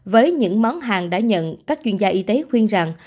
với những món hàng đã nhận các chuyên gia y tế khuyên rằng